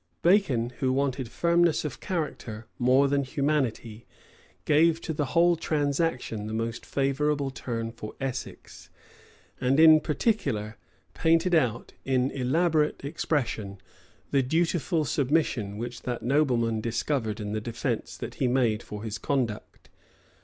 Bacon, who wanted firmness of character more than humanity, gave to the whole transaction the most favorable turn for Essex; and, in particular, painted out, in elaborate expression, the dutiful submission which that nobleman discovered in the defence that he made for his conduct.